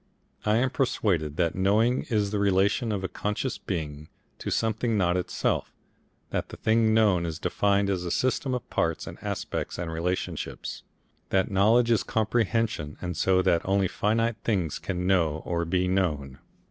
I am persuaded that knowing is the relation of a conscious being to something not itself, that the thing known is defined as a system of parts and aspects and relationships, that knowledge is comprehension, and so that only finite things can know or be known.